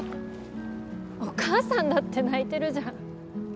お母さんだって泣いてるじゃん。